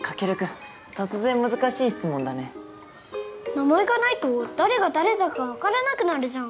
名前がないと誰が誰だかわからなくなるじゃん。